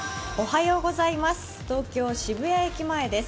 東京・渋谷駅前です。